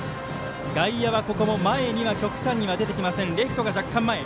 外野はここも前には極端に出てきません、レフトが若干前。